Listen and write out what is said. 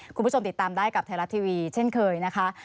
คุณผู้ชมติดตามได้กับไทยรัฐทีวีเช่นเคยนะคะ